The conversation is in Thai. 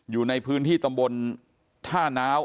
อยู่ในพื้นที่ตำบลท่านาว